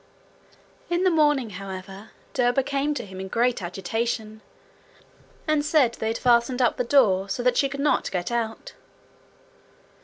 In the morning, however, Derba came to him in great agitation, and said they had fastened up the door, so that she could not get out.